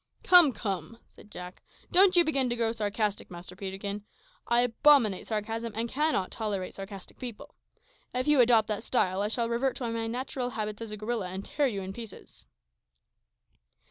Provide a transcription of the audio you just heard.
"Come, come," said Jack; "don't you begin to grow sarcastic, Master Peterkin. I abominate sarcasm, and cannot tolerate sarcastic people. If you adopt that style, I shall revert to my natural habits as a gorilla, and tear you in pieces."